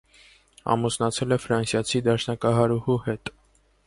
Ամուսնացել է ֆրանսիացի դաշնակահարուհու հետ։